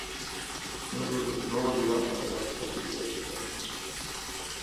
No volverá hasta la capitulación de Alemania.